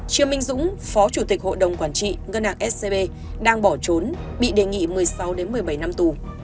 chiêm minh dũng phó chủ tịch hội đồng quản trị ngân hàng scb đang bỏ trốn bị đề nghị một mươi sáu một mươi bảy năm tù